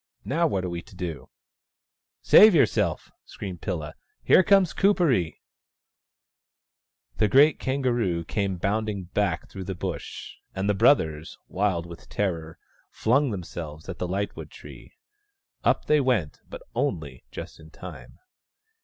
Now what are we to do ?"" Save yourself !" screamed Pilla. " Here comes Kuperee !" The great kangaroo came bounding back tlirough the bushes, and the brothers, wild with terror, S A.B. c 34 THE STONE AXE OF BURKAMUKK flung themselves at the lightwood tree. Up they went, but only just in time.